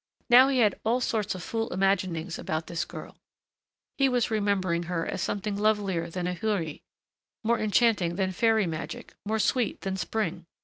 Now he had all sorts of fool imaginings about this girl. He was remembering her as something lovelier than a Houri, more enchanting than fairy magic, more sweet than spring.